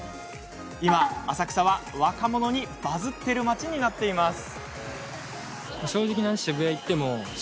今、浅草は若者にバズってる町になっています。